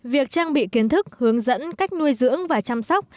việc trang bị kiến thức hướng dẫn cách nuôi dưỡng và chăm sóc